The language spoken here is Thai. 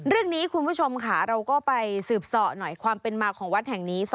คุณผู้ชมค่ะเราก็ไปสืบส่อหน่อยความเป็นมาของวัดแห่งนี้